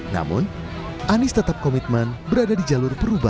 namun anies tetap komitmen berada di jalur perubahan